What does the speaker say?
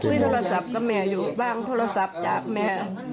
พูดกับแม่อยู่พูดโทรศัพท์กับแม่อยู่บ้างโทรศัพท์จากแม่